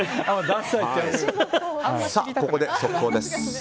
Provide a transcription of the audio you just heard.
ここで速報です。